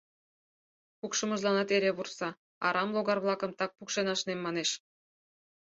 Пукшымыжланат эре вурса: арам логар-влакым так пукшен ашнем, манеш.